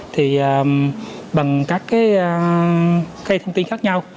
thì bằng các cái thông tin khác nhau